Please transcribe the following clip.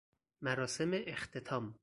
مراسم اختتام